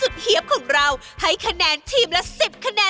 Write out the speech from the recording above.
แล้วก็คำสวนละม้ายมีอะไรด้วยอื้อ